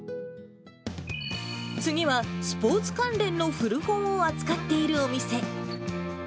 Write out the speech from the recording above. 次は、スポーツ関連の古本を扱っているお店。